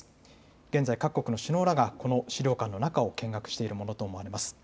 現在、各国の首脳らはこの資料館の中を見学しているものと見られます。